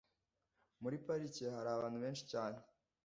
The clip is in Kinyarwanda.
muri parike hari abantu benshi cyane